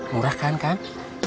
murah kan kang